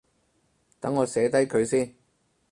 等我寫低佢先